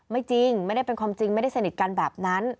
ไม่จริงไม่ได้เป็นความจริงไม่ได้สนิทกันแบบนั้น